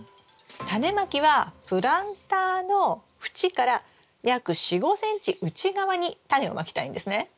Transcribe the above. タネまきはプランターの縁から約４５ｃｍ内側にタネをまきたいんですね。